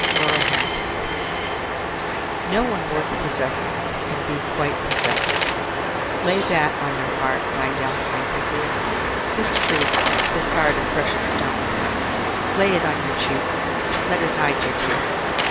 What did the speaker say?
0 Autoplay No one worth possessing Can be quite possessed; Lay that on your heart, My young angry dear; This truth, this hard and precious stone, Lay it on your hot cheek, Let it hide your tear.